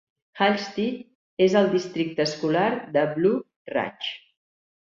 Hallstead és al districte escolar de Blue Ridge.